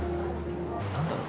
何だろう